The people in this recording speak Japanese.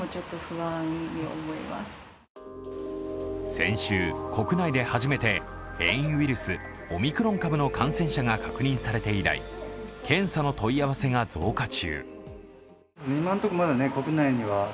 先週、国内で初めて変異ウイルス、オミクロン株の感染者が確認されて以来検査の問い合わせが増加中。